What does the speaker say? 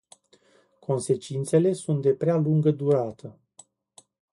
Consecințele sunt de prea lungă durată.